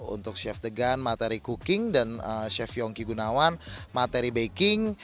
untuk chef degan materi cooking dan chef yongki gunawan materi baking